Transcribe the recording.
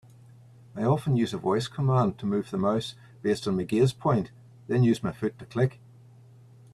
I often use a voice command to move the mouse based on my gaze point, then use my foot to click.